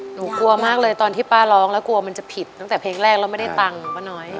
หนูกลัวมากเลยตอนที่ป้าร้องแล้วกลัวมันจะผิดตั้งแต่เพลงแรกแล้วไม่ได้ตังค์ป้าน้อย